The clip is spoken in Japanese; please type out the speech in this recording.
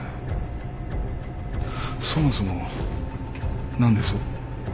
そもそも何です？